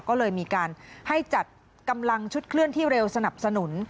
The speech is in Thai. ก็เลยมีการให้จัดกำลังชุดเคลื่อนที่เร็วสนับสนุน